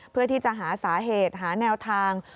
เพื่อที่จะหาสาเหตุหาแนวทาง